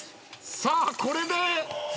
さあこれで。